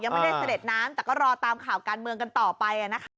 ไม่ได้เสด็จน้ำแต่ก็รอตามข่าวการเมืองกันต่อไปนะคะ